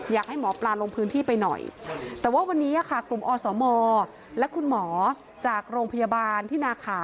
อยากให้หมอปลาลงพื้นที่ไปหน่อยแต่ว่าวันนี้ค่ะกลุ่มอสมและคุณหมอจากโรงพยาบาลที่นาขา